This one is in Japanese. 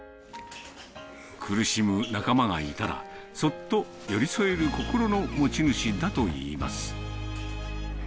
苦しむ仲間がいたら、そっと寄り添える心の持ち主だといいます。